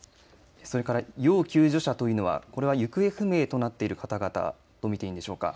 それから要救助者というのはこれは行方不明となっている方々と見ていいんでしょうか。